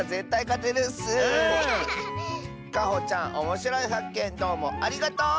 かほちゃんおもしろいはっけんどうもありがとう！